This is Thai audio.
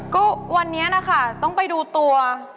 ก็วันนี้นะคะต้องไปดูตัว